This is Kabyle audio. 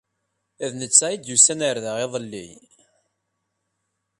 D netta ay d-yusan ɣer da iḍelli.